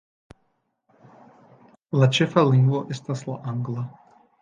La ĉefa lingvo estas la Angla.